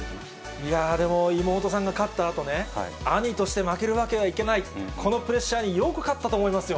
いやぁ、でも、妹さんが勝ったあと、兄として負けるわけにはいかない、このプレッシャーによく勝ったと思いますよ。